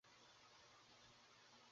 তো এরপর উইনফ্রের প্রতিক্রিয়াটা কী ছিল?